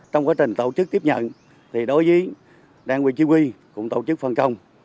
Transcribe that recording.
trong quá trình tổ chức tiếp nhận đối với đảng quyền chiêu quy tổ chức phân công